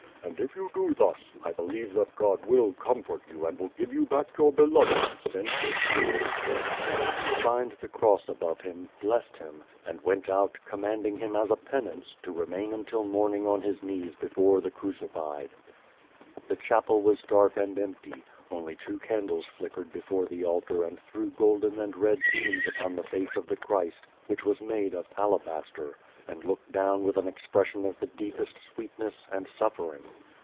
And if you do thus, I believe that God will comfort you and will gi^e you back your beloved and send Ilis peace. ...*' Then he signed the cross above him, blessed him, and went out, commanding him, as a penance, to remain until morn ing on his knees before the Crucified. The chapel was dark and empty; only two candles flickered before the altar and threw golden and red beams upon the face of the Christ, which was made of alabaster, and looked down with an ex pression of the deepest sweetness and suffering.